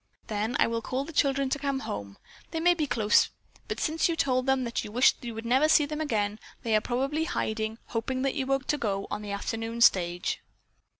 Then I will call the children to come home. They may be close, but since you told them that you wished you would never see them again, they are probably hiding, hoping that you are to go on the afternoon stage."